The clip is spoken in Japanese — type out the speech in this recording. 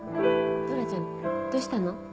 トラちゃんどうしたの？